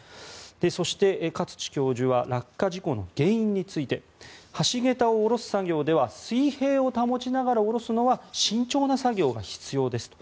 そして勝地教授は落下事故の原因について橋桁を下ろす作業では水平を保ちながら下ろすのは慎重な作業が必要ですと。